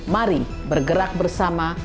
mari bergerak bersama